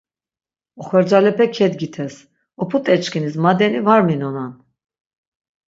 Oxorcalepe kedgites: op̆ut̆eçkinis madeni va minonan!